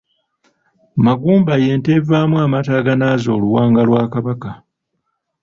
Magumba y'ente evaamu amata agaanaaza oluwanga lwa Kabaka.